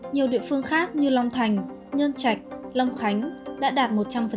nhiều địa phương khác như long thành nhơn trạch long khánh đã đạt một trăm linh